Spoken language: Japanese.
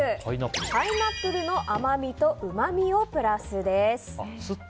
パイナップルの甘みとうまみをプラスです。